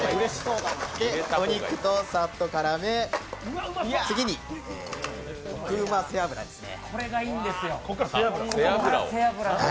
お肉とさっと絡め、次にコクうま背脂ですね。